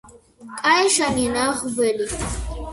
კაეშანი-ნაღველი